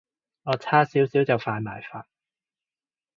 我差少少就犯埋法